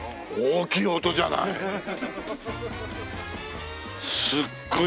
大きい音じゃない。